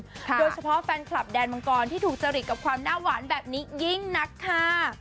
โดยเฉพาะแฟนคลับแดนมังกรที่ถูกจริตกับความหน้าหวานแบบนี้ยิ่งนักค่ะ